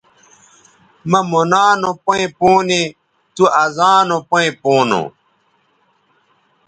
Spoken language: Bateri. مہ مونا نو پیئں پونے تُو ازانو پیئں پونو